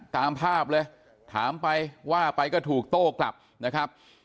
ตามภาพเลยถามไปว่าไปก็ถูกโต้กลับนะครับ